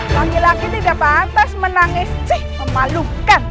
lagi lagi tidak pantas menangis cih memalukan